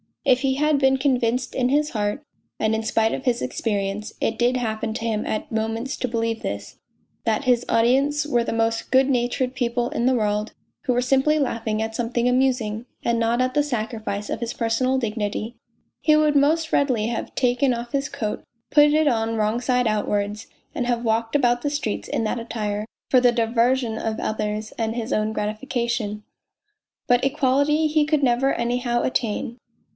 If he had been convinced in his heart (and in spite of his experience it did happen to him at moments to believe this) that his audience were the most good natured people in the world, who were simply laughing at something amusing, and not at the sacrifice of his personal dignity, he would most readily have taken off 210 POLZUNKOV his coat, put it on wrong side outwards, and have walked about the streets in that attire for the diversion of others and his own gratification. But equality he could never anyhow attain.